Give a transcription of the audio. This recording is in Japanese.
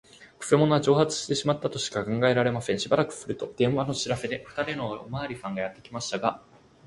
くせ者は蒸発してしまったとしか考えられません。しばらくすると、電話の知らせで、ふたりのおまわりさんがやってきましたが、